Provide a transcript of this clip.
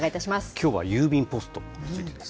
きょうは郵便ポストについてです。